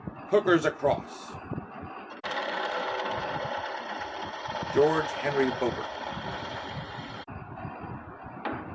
Hooker's across! GEORGE HENRY BOKER.